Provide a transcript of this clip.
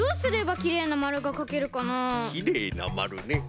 きれいなまるね。